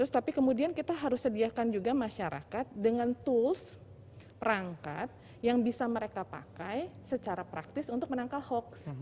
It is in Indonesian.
tapi kemudian kita harus sediakan juga masyarakat dengan tools perangkat yang bisa mereka pakai secara praktis untuk menangkal hoax